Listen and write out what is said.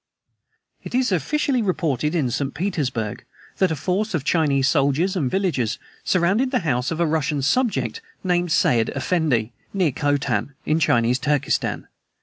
"It is officially reported in St. Petersburg that a force of Chinese soldiers and villagers surrounded the house of a Russian subject named Said Effendi, near Khotan, in Chinese Turkestan.